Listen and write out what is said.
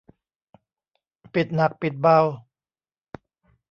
ปิดหนักปิดเบา